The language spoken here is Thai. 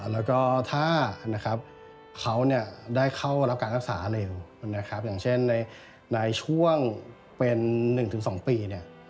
แล้วก็ถ้าเขาได้เข้ารับการรักษาเร็วอย่างเช่นในช่วงเป็น๑๒ปี